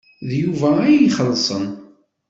D Yuba ay ixellṣen.